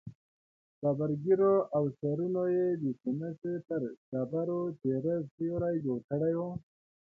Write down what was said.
ببرو ږېرو او سرونو يې د سمڅې پر ډبرو تېره سيوري جوړ کړي ول.